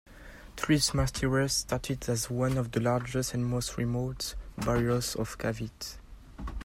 Trece Martires started as one of the largest and most remote barrios of Cavite.